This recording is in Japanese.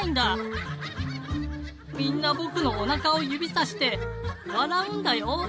みんな僕のお腹を指さして笑うんだよ。